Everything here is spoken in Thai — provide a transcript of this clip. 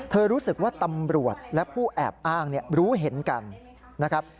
รู้สึกว่าตำรวจและผู้แอบอ้างรู้เห็นกันนะครับ